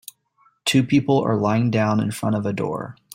Two people are lying down in front of a door.